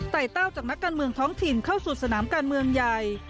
เต้าจากนักการเมืองท้องถิ่นเข้าสู่สนามการเมืองใหญ่